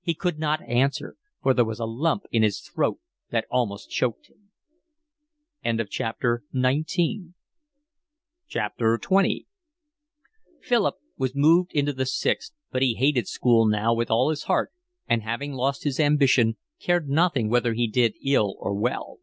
He could not answer, for there was a lump in his throat that almost choked him. XX Philip was moved into the Sixth, but he hated school now with all his heart, and, having lost his ambition, cared nothing whether he did ill or well.